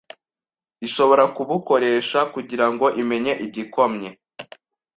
ishobora kubukoresha kugira ngo imenye igikomye